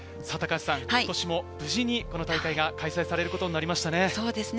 今年も無事にこの大会が開催されることになりましたね。